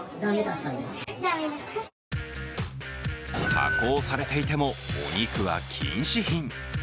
加工されていてもお肉は禁止品。